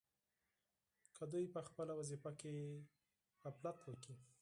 که دوی په خپله وظیفه کې غفلت وکړي.